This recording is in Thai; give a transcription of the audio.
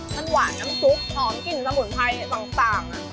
มันหวานน้ำซุปหอมกลิ่นสมุนไพรต่าง